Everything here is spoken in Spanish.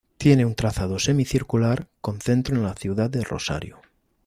Tiene un trazado semicircular con centro en la ciudad de Rosario.